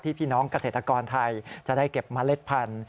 พี่น้องเกษตรกรไทยจะได้เก็บเมล็ดพันธุ